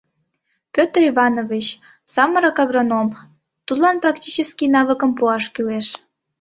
Петр Иванович — самырык агроном, тудлан практический навыкым пуаш кӱлеш.